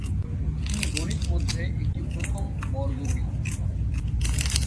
তিনি গণিত মধ্যে একটি প্রথম বর্গ বি।